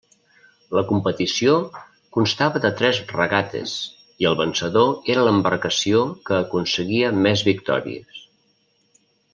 La competició constava de tres regates i el vencedor era l'embarcació que aconseguia més victòries.